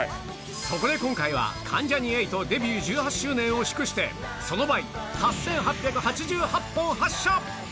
そこで今回は関ジャニ∞デビュー１８周年を祝して、その倍、８８８８本発射。